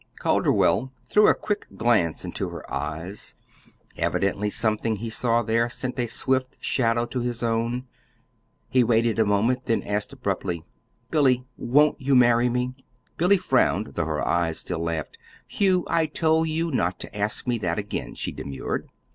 Calderwell threw a quick glance into her eyes. Evidently something he saw there sent a swift shadow to his own. He waited a moment, then asked abruptly: "Billy, WON'T you marry me?" Billy frowned, though her eyes still laughed. "Hugh, I told you not to ask me that again," she demurred.